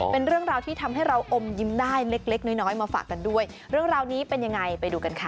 เป็นเรื่องราวที่ทำให้เราอมยิ้มได้เล็กเล็กน้อยน้อยมาฝากกันด้วยเรื่องราวนี้เป็นยังไงไปดูกันค่ะ